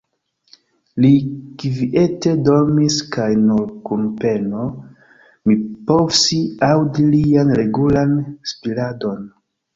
Li kviete dormis kaj nur kun peno mi povsi aŭdi lian regulan spiradon.